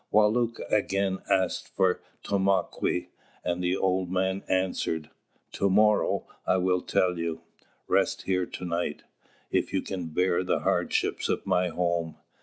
Wālūt again asked for Tomāquè, and the old man answered: "To morrow, I will tell you. Rest here to night, if you can bear the hardships of my home."